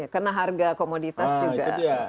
kena harga komoditas juga